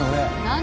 何？